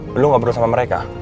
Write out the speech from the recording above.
belum ngobrol sama mereka